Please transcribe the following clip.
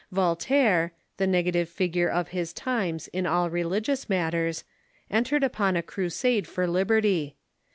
Voltaire, the negative figure of his times in all religious matters, entered upon a crusade for liberty.